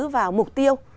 vào mục tiêu